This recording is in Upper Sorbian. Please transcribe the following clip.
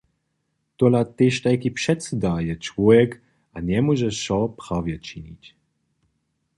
Tola tež tajki předsyda je čłowjek a njemóže wšo prawje činić.